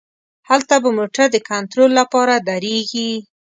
هلته به موټر د کنترول له پاره دریږي.